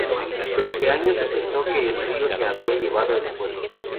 Durante años se pensó que el río se había llevado el fuerte.